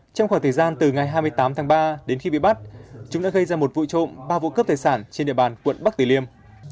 trong khoảng thời gian từ ngày hai mươi tám tháng ba đến khi bị bắt chúng đã gây ra một vụ trộm ba vụ cướp tài sản trên địa bàn quận bắc tử liêm